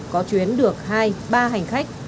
có chuyến được hai ba hành khách